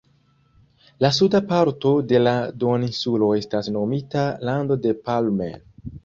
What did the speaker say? La suda parto de la duoninsulo estas nomita "lando de Palmer".